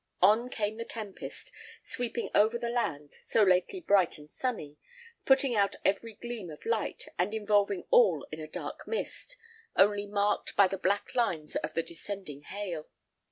On came the tempest, sweeping over the land, so lately bright and sunny, putting out every gleam of light, and involving all in a dark mist, only marked by the black lines of the descending hail.